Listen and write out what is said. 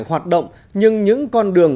hoạt động nhưng những con đường